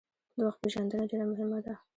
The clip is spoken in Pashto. د وخت پېژندنه ډیره مهمه ده.